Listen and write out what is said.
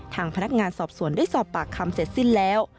ทางพนักงานสอบสวนได้สอบปากคำเสร็จสิ้นแล้ว